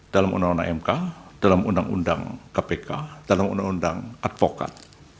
dalam undang undang mk dalam undang undang kpk dalam undang undang advokat